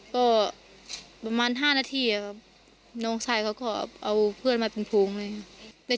ก็ประมาณ๕นาทีครับน้องชายเขาก็เอาเพื่อนมาเป็นโพงเลยค่ะ